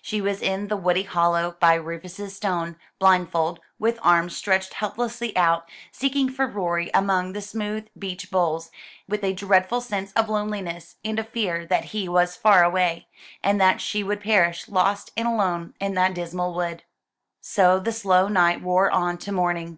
She was in the woody hollow by Rufus's stone, blindfold, with arms stretched helplessly out, seeking for Rorie among the smooth beech boles, with a dreadful sense of loneliness, and a fear that he was far away, and that she would perish, lost and alone, in that dismal wood. So the slow night wore on to morning.